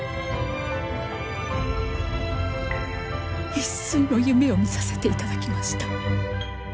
一炊の夢を見させて頂きました。